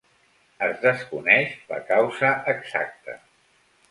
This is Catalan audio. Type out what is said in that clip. Es desconeix la causa exacta.